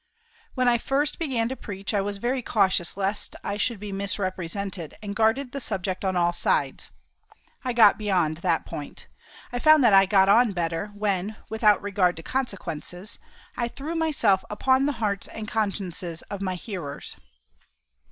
When I first began to preach, I was very cautious lest I should be misrepresented, and guarded the subject on all sides. I got beyond that point. I found that I got on better when, without regard to consequences, I threw myself upon the hearts and consciences of my hearers.